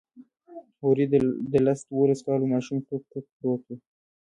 هورې د لس دولسو کالو ماشوم ټوک ټوک پروت و.